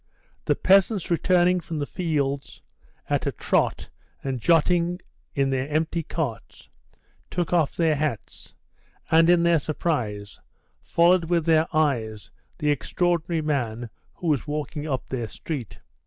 The peasants returning from the fields at a trot and jotting in their empty carts, took off their hats, and, in their surprise, followed with their eyes the extraordinary man who was walking up their street.